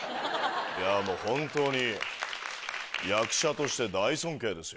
本当に役者として大尊敬ですよ。